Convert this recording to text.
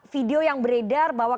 video yang beredar bahwa